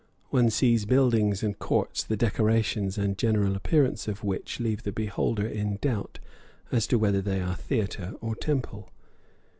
One sees buildings and courts the decorations and general appearance of which leave the beholder in doubt as to whether they are theatre or temple.